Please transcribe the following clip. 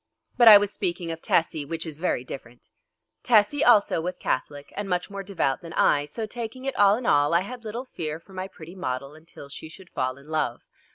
But I was speaking of Tessie, which is very different. Tessie also was Catholic and much more devout than I, so, taking it all in all, I had little fear for my pretty model until she should fall in love.